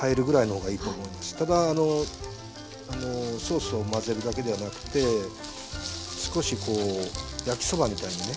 ただソースを混ぜるだけではなくて少しこう焼きそばみたいにね。